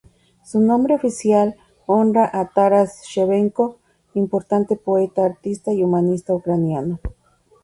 Su nombre oficial honra a Taras Shevchenko, importante poeta, artista y humanista ucraniano.